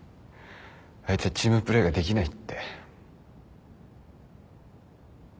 「あいつはチームプレーができない」って。